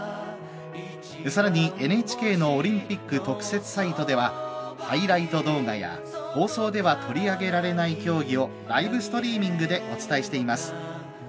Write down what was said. さらにＮＨＫのオリンピック特設サイトではハイライト動画や放送では取り上げられない競技をライブストリーミングでお伝えしています。